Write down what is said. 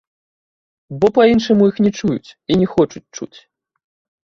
Бо па-іншаму іх не чуюць і не хочуць чуць.